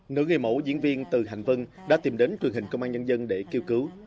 nữ gây mẫu diễn viên từ hành vân đã tìm đến truyền hình công an nhân dân để kêu cứu